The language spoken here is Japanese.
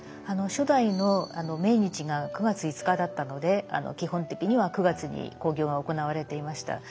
初代の命日が９月５日だったので基本的には９月に興行が行われていました。